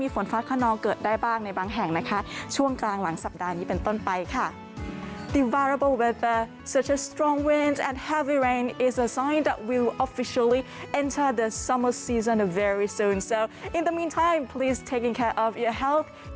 ฝนฟ้าขนองเกิดได้บ้างในบางแห่งนะคะช่วงกลางหลังสัปดาห์นี้เป็นต้นไปค่ะ